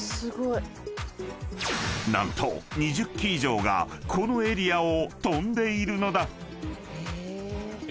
［何と２０機以上がこのエリアを飛んでいるのだ］